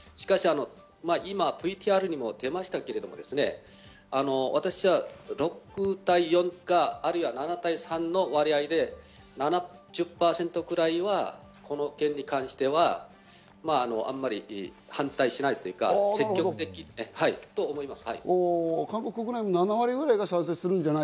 しかし、今ＶＴＲにも出ましたけれど、私は６対４か、あるいは７対３の割合で７０％くらいはこの件に関してあんまり反対しないというか、積極的だと思います。